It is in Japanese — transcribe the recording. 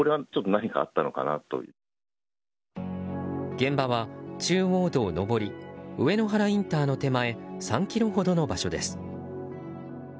現場は中央道上り上野原インターの手前３ｋｍほどの場所です。